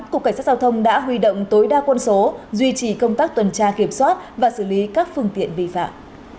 cục cảnh sát giao thông đã huy động tối đa quân số duy trì công tác tuần tra kiểm soát và xử lý các phương tiện vi phạm